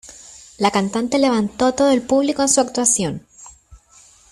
La cantante levantó a todo el público en su actuación.